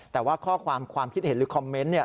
แต่ว่าข้อความความคิดเห็นหรือคอมเมนต์เนี่ย